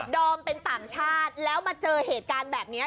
อมเป็นต่างชาติแล้วมาเจอเหตุการณ์แบบนี้